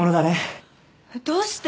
どうして？